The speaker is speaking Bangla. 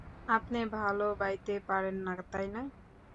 আপনি ভালো বাইতে পারেন না, তাই না?